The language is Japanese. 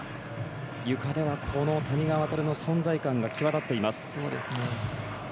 ゆかでは谷川航の存在感が際立っています。